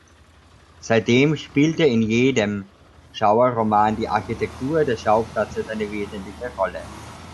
Seitdem spielte in jedem Schauerroman die Architektur des Schauplatzes eine wesentliche Rolle.